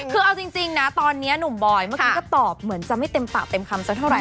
คือเอาจริงนะตอนนี้หนุ่มบอยเมื่อกี้ก็ตอบเหมือนจะไม่เต็มปากเต็มคำสักเท่าไห